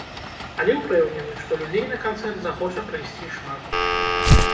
Але ўпэўнены, што людзей на канцэрт захоча прыйсці шмат.